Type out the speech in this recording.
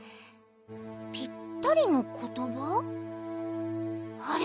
ぴったりのことば？あれ？